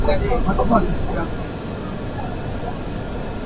Fingrilh cu Kawipeng nih caṭialnak ah a hmanmi minhleng a si.